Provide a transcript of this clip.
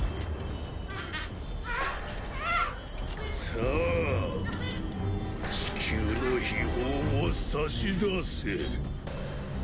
さあチキューの秘宝を差し出せ。